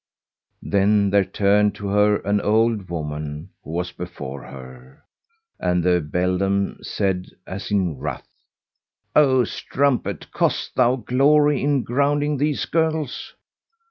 Then there turned to her an old woman who was before her, and the beldam said as in wrath, "O strumpet, dost thou glory in grounding these girls?